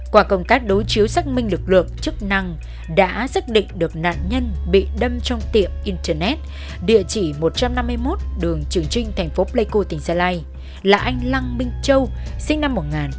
qua công tác đối chiếu xác minh lực lượng chức năng đã xác định được nạn nhân bị đâm trong tiệm internet địa chỉ một trăm năm mươi một đường trường trinh thành phố pleiku tỉnh gia lai là anh lăng minh châu sinh năm một nghìn chín trăm tám mươi